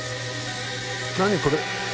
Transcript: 何これ？